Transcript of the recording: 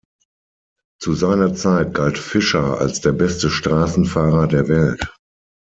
Zu seiner Zeit galt Fischer als der beste Straßenfahrer der Welt.